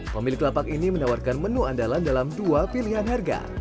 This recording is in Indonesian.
pemilik lapak ini menawarkan menu andalan dalam dua pilihan harga